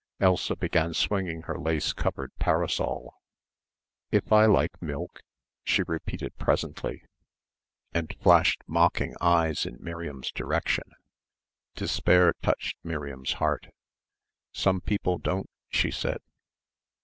Elsa began swinging her lace covered parasol. "If I like milk?" she repeated presently, and flashed mocking eyes in Miriam's direction. Despair touched Miriam's heart. "Some people don't," she said.